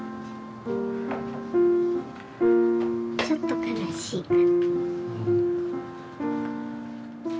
ちょっと悲しい。